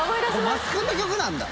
桝君の曲なんだ。